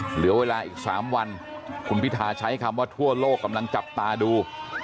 เหลือเวลาอีก๓วันคุณพิทาใช้คำว่าทั่วโลกกำลังจับตาดู